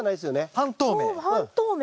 半透明。